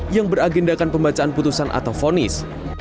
yang beragendakan pembacaan putusan atau fonis